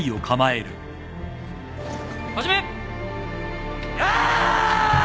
・始め！